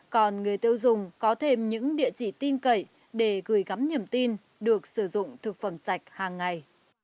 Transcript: còn người tiêu dùng có thêm những địa chỉ tin cậy để gửi gắm niềm tin được sử dụng thực phẩm sạch hàng ngày